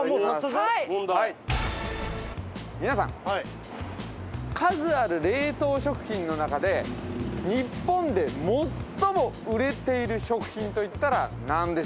皆さん数ある冷凍食品の中で日本で最も売れている食品といったらなんでしょう？